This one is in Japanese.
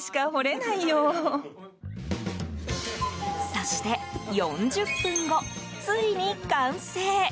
そして４０分後、ついに完成！